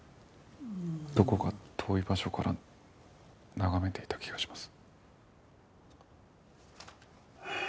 どこか遠い場所から眺めていた気がします。